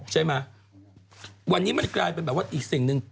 ใช่ไหมวันนี้มันกลายเป็นแบบว่าอีกสิ่งหนึ่ง